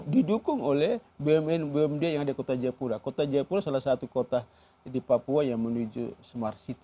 didukung oleh bumn yang ada di kota jayapura kota jayapura salah satu kota di papua yang menuju smart city